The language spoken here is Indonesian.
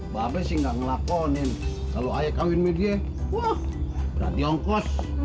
babes nggak ngelakonin selalu ayah kawin milie berarti ongkos